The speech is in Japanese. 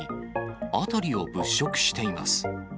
辺りを物色しています。